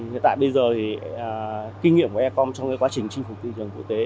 hiện tại bây giờ thì kinh nghiệm của eecom trong quá trình chinh phục thị trường quốc tế